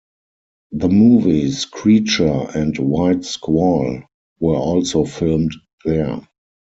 The movies "Creature" and "White Squall" were also filmed there.